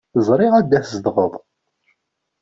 Ẓriɣ anda tzedɣeḍ.